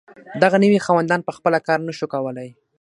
دغه نوي خاوندان په خپله کار نشو کولی.